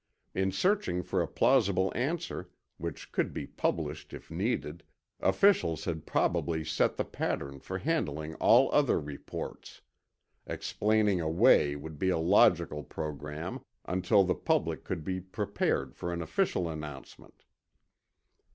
In searching for a plausible answer, which could be published if needed, officials had probably set the pattern for handling all other reports, "Explaining away" would be a logical program, until the public could be prepared for an official announcement.